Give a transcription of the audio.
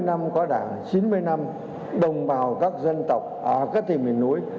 chín mươi năm có đảng chín mươi năm đồng bào các dân tộc ở các thầy miền núi